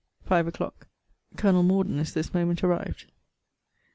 FIVE O'CLOCK.] Col. Morden is this moment arrived.